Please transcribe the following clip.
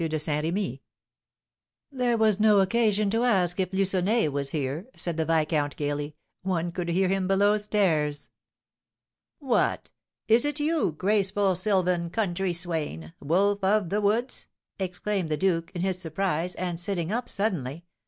de Saint Remy. "There was no occasion to ask if Lucenay was here," said the viscount, gaily; "one could hear him below stairs." "What! Is it you, graceful sylvan, country swain, wolf of the woods?" exclaimed the duke, in his surprise, and sitting up suddenly.